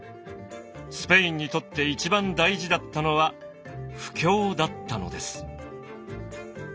スペインにとって一番大事だったのは布教だったのです。